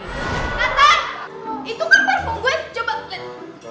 nathan itu kan parfum gue coba liat